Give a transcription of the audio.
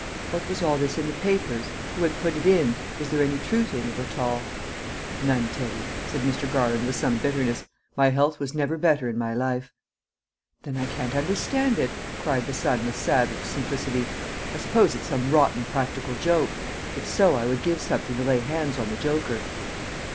What was all this in the evening papers? Who had put it in? Was there any truth in it at all? "None, Teddy," said Mr. Garland, with some bitterness; "my health was never better in my life." "Then I can't understand it," cried the son, with savage simplicity. "I suppose it's some rotten practical joke; if so, I would give something to lay hands on the joker!"